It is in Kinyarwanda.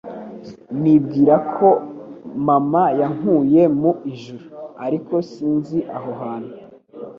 Nibwira ko mama yankuye mu ijuru, ariko sinzi aho hantu.